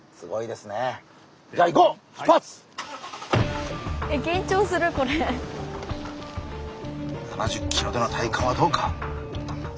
７０ｋｍでの体感はどうか？